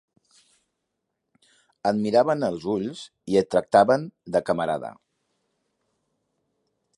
Et miraven als ulls i et tractaven de «camarada»